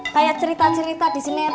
kayak cerita cerita di sini bang